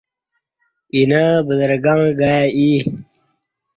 اینہ بدرگں گائی ایی